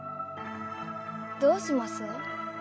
どうします？